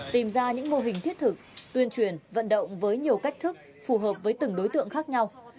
tìm ra những mô hình thiết thực tuyên truyền vận động với nhiều cách thức phù hợp với từng đối tượng khác nhau